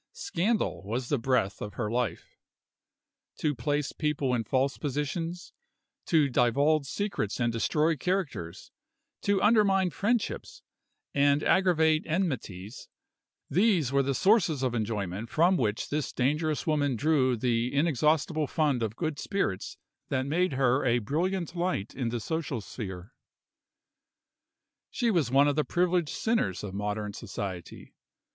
Scandal was the breath of her life; to place people in false positions, to divulge secrets and destroy characters, to undermine friendships, and aggravate enmities these were the sources of enjoyment from which this dangerous woman drew the inexhaustible fund of good spirits that made her a brilliant light in the social sphere. She was one of the privileged sinners of modern society.